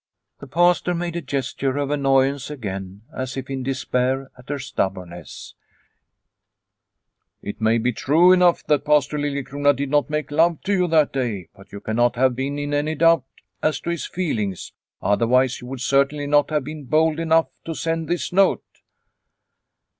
The Pastor made a gesture of annoyance again as if in despair at her stubbornness. " It may be true enough that Pastor Lilie crona did not make love to you that day, but you cannot have been in any doubt as to his feelings. Otherwise you would certainly not have been bold enough to send this note."